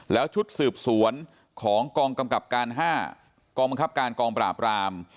แล้วชุดสืบสวนของกองกำกับการ๕กองบังคับการกองปราบราม